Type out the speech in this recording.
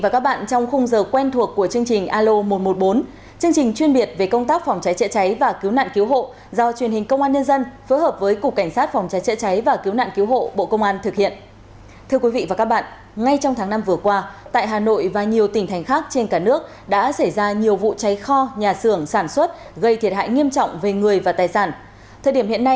các bạn hãy đăng ký kênh để ủng hộ kênh của chúng mình nhé